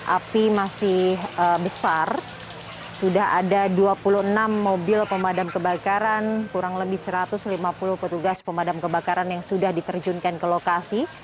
api masih besar sudah ada dua puluh enam mobil pemadam kebakaran kurang lebih satu ratus lima puluh petugas pemadam kebakaran yang sudah diterjunkan ke lokasi